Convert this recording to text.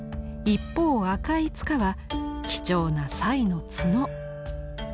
一方赤い柄は貴重なサイの角。